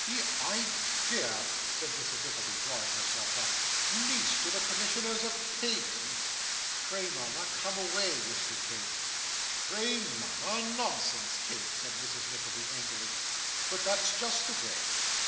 The idea!' said Mrs. Nickleby, drawing herself up, 'niece to the Commissioners of Paving!' 'Pray, mama, come away!' whispered Kate. '"Pray mama!" Nonsense, Kate,' said Mrs. Nickleby, angrily, 'but that's just the way.